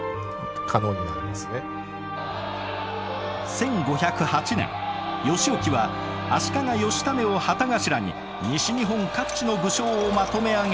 １５０８年義興は足利義稙を旗頭に西日本各地の武将をまとめ上げ